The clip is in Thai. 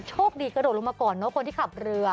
โชคดีกระโดดลงมาก่อนเนอะคนที่ขับเรือ